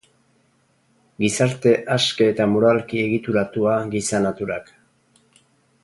Gizarte aske eta moralki egituratua giza naturak.